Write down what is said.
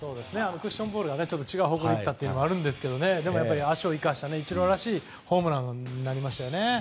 クッションボールが違う方向に行ったというのもあるんですがでも、足を生かしたイチローらしいホームランになりましたね。